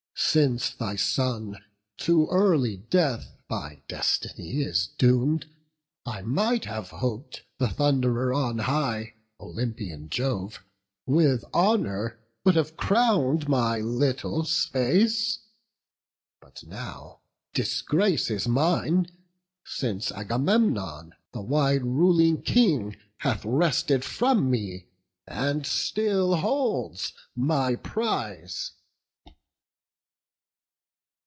since thy son To early death by destiny is doom'd, I might have hop'd the Thunderer on high, Olympian Jove, with honour would have crown'd My little space; but now disgrace is mine; Since Agamemnon, the wide ruling King, Hath wrested from me, and still holds, my prize."